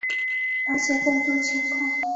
了解更多情况